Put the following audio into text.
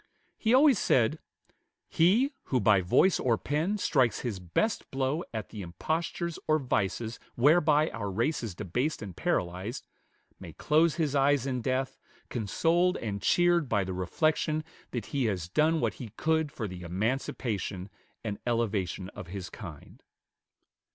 He always said, "He, who by voice or pen strikes his best blow at the impostures or vices whereby our race is debased and paralyzed, may close his eyes in death, consoled and cheered by the reflection that he has done what he could for the emancipation and elevation of his kind."